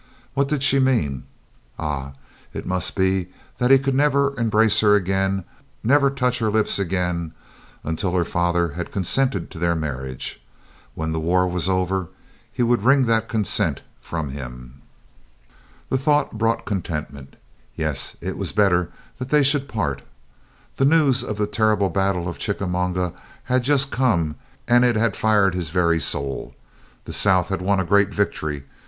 What did she mean? Ah! it must be that he could never embrace her again, never touch her lips again, until her father had consented to their marriage. When the war was over he would wring that consent from him. The thought brought contentment. Yes, it was better that they should part. Then the news of the terrible battle of Chickamauga had just come, and it had fired his very soul. The South had won a great victory.